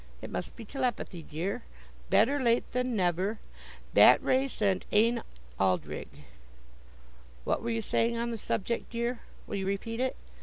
It must be telepathy, dear. 'Better late than never,' 'Battre sent än aldrig.' What were you saying on the subject, dear? Will you repeat it?